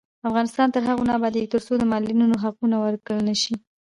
افغانستان تر هغو نه ابادیږي، ترڅو د معلولینو حقونه ورکړل نشي.